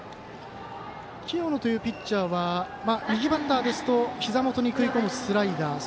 清野というピッチャーは右バッターにはひざ元に食い込むスライダー。